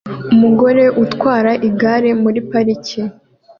Umugore utwara igare muri parike